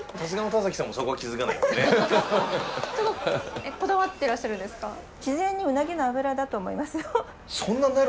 こだわってらっしゃるんですか？